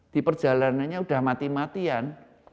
di perjalanannya sudah mati matian